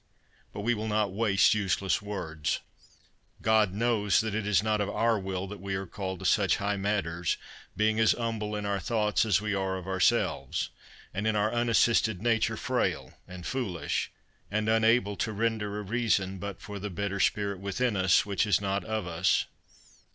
But we will not waste useless words. God knows that it is not of our will that we are called to such high matters, being as humble in our thoughts as we are of ourselves; and in our unassisted nature frail and foolish; and unable to render a reason but for the better spirit within us, which is not of us.